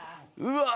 うわ！